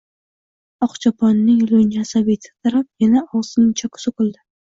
Oqchoponning lunji asabiy titrab, yana og‘zining choki so‘kildi: